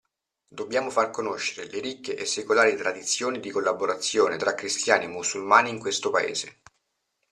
Dobbiamo far conoscere le ricche e secolari tradizioni di collaborazione tra cristiani e musulmani in questo Paese.